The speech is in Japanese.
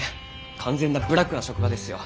完全なブラックな職場ですよ。